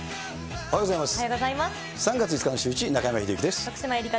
おはようございます。